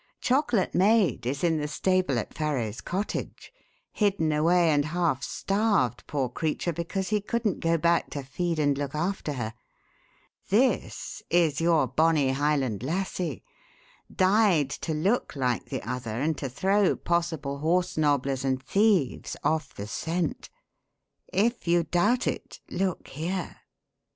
Chocolate Maid is in the stable at Farrow's cottage hidden away and half starved, poor creature, because he couldn't go back to feed and look after her. This is your bonny Highland Lassie dyed to look like the other and to throw possible horse nobblers and thieves off the scent. If you doubt it, look here."